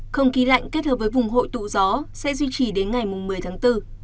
không khí lạnh kết hợp với vùng hội tụ gió sẽ duy trì đến ngày một mươi tháng bốn